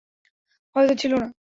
হয়তো ছিল না।